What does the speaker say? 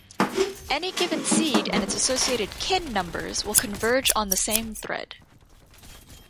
Any given seed and its associated kin numbers will converge on the same thread.